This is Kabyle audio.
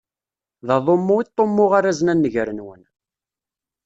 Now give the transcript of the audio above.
D aḍummu i ṭṭummuɣ arazen a nnger-nwen.